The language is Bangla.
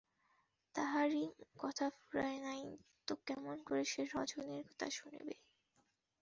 তাহারই কথা ফুরায় নাই তো কেমন করে সে রজনীর কথা শুনিবে!